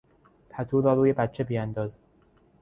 پتو را روی بچه بیانداز.